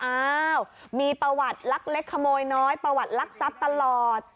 อ้าวมีประวัติลักเล็กขโมยน้อยประวัติลักทรัพย์ตลอด